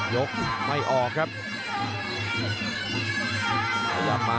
ยกไม่ออกครับ